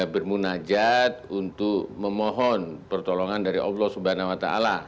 bermunajat untuk memohon pertolongan dari allah swt